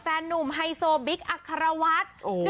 แฟนนุ่มไฮโซบิ๊กอัคคาราวัส